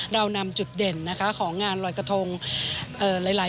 เรานำจุดเด่นนะคะของงานลอยกระทงหลาย